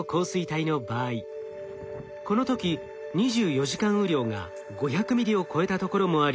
この時２４時間雨量が５００ミリを超えたところもあり